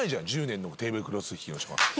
１０年のテーブルクロス引き。